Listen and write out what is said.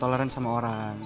toleransi sama orang